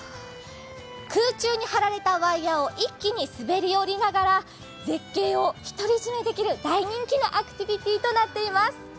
空中に張られたワイヤーを一気に滑り降りながら絶景を独り占めできる大人気のアクティビティーとなっています。